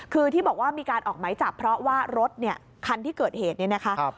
คือที่บอกว่ามีการออกไหมจับเพราะว่ารถเนี่ยคันที่เกิดเหตุเนี่ยนะคะ